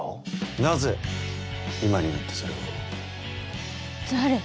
なぜ今になってそれを？